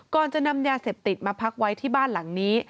ก่อนจะนำยาเสพติดมาพักไว้ที่บ้านหลังนี้